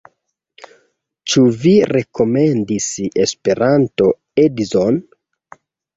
Ĉu vi rekomendis Esperanto-edzon?